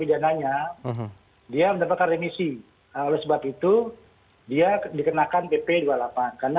hmm namun syaratnya adalah bahwa ketika dapat remisi atau setelah melaksanakan sepertiga dari kantong pijananya